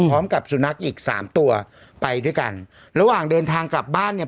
พร้อมกับสุนัขอีกสามตัวไปด้วยกันระหว่างเดินทางกลับบ้านเนี่ย